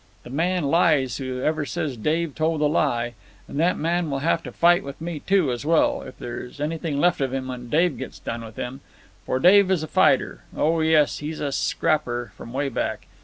The man lies who ever says Dave told a lie, and that man will have to fight with me, too, as well—if there's anything left of him when Dave gets done with him. For Dave is a fighter. Oh, yes, he's a scrapper from way back.